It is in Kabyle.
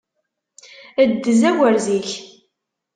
Ddez agerz-ik!